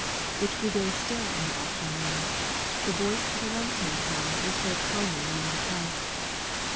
It grew very still in the auction room, the voice of the lensmand one was heard calmly naming the price.